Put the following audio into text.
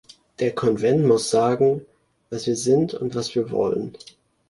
Der Konvent muss sagen, was wir sind und was wir wollen.